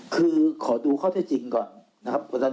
คือขอดูข้อเท็จจริงก่อนนะครับ